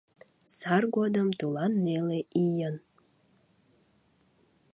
Сар годым, тулан неле ийын